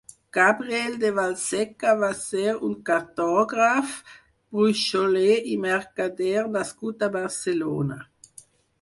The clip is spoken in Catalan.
Gabriel de Vallseca va ser un cartògraf, bruixoler i mercader nascut a Barcelona.